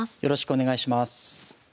よろしくお願いします。